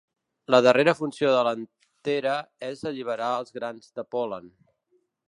La darrera funció de l'antera és alliberar els grans de pol·len.